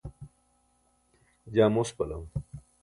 jaa mospalam